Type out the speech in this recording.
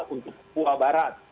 untuk kepua barat